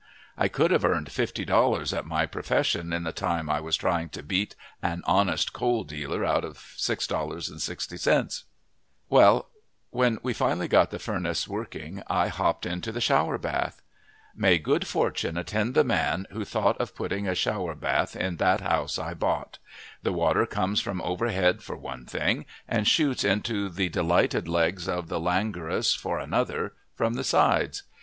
I could have earned $50 at my profession in the time I was trying to beat an honest coal dealer out of $6.60. Well, when we finally got the furnace working I hopped into the shower bath. May good fortune attend the man who thought of putting a shower bath in That House I Bought! The water comes from overhead for one thing, and shoots into the delighted legs of the languorous for another, from the sides.